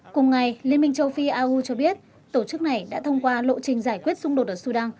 cùng ngày liên minh châu phi au cho biết tổ chức này đã thông qua lộ trình giải quyết xung đột ở sudan